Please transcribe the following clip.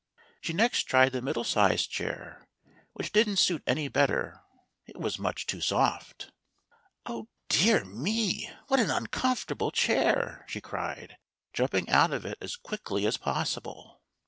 She next tried the middle sized chair, which didn't suit any better; it was much too soft. "Oh dear, me! what an uncomfortable chair!" she cried, jumping out of it as quickly as possible.